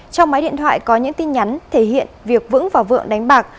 trong máy điện thoại có những tin nhắn thể hiện việc vững và vượng đánh bạc